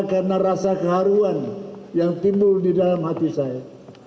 karena rasa keharuan yang timbul di dalam hati saya